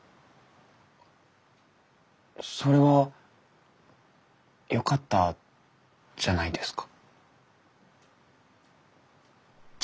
それはよかったじゃないですか。